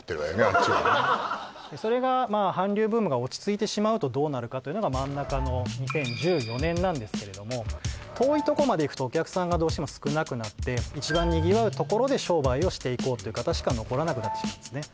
あっちはねそれがまあ韓流ブームが落ち着いてしまうとどうなるかというのが真ん中の２０１４年なんですけれども遠いとこまで行くとお客さんがどうしても少なくなって一番にぎわうところで商売をしていこうという方しか残らなくなってしまうんですね